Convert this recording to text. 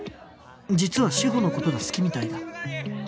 実は志法の事が好きみたいだ